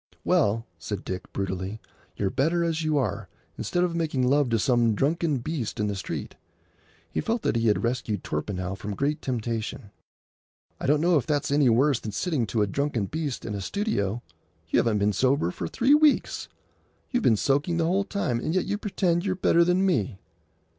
"Well," said Dick, brutally, "you're better as you are, instead of making love to some drunken beast in the street." He felt that he had rescued Torpenhow from great temptation. "I don't know if that's any worse than sitting to a drunken beast in a studio. You haven't been sober for three weeks. You've been soaking the whole time; and yet you pretend you're better than me!"